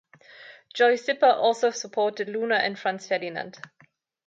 Joy Zipper has also supported Luna and Franz Ferdinand.